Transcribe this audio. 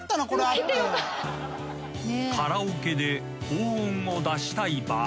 ［カラオケで高音を出したい場合］